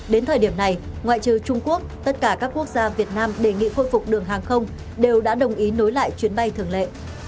đến thời điểm này ngoại trừ trung quốc tất cả các quốc gia việt nam đề nghị khôi phục đường hàng không đều đã đồng ý nối lại chuyến bay thường lệ